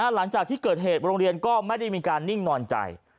หลังจากที่เกิดเหตุโรงเรียนก็ไม่ได้มีการนิ่งนอนใจ